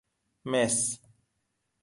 مس